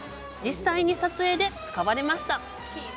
実際に撮影で使われました。